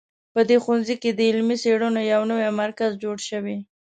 په دې ښوونځي کې د علمي څېړنو یو نوی مرکز جوړ شوی